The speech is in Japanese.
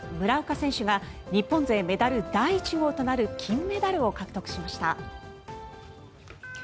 村岡選手が日本勢メダル第１号となる金メダルを獲得しました。